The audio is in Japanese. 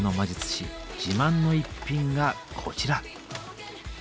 自慢の一品がこちら。